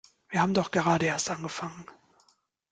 Wir haben doch gerade erst angefangen!